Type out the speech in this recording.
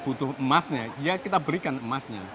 butuh emasnya ya kita berikan emasnya